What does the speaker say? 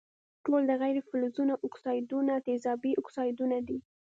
ټول د غیر فلزونو اکسایدونه تیزابي اکسایدونه دي.